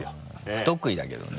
不得意だけどね。